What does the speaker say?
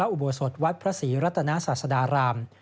อุโบสถวัดพระศรีรัตนาศาสดาราม